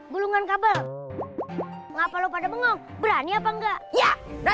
bulungan kabel ngapain lo pada bengong berani apa enggak ya